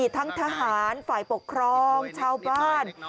ทั้งทหารฝ่ายปกครองชาวบ้าน